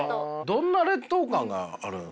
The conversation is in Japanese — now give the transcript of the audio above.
どんな劣等感があるんですか？